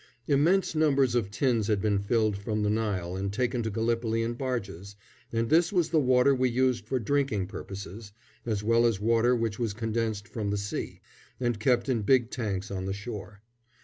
Immense numbers of tins had been filled from the Nile and taken to Gallipoli in barges, and this was the water we used for drinking purposes, as well as water which was condensed from the sea, and kept in big tanks on the shore.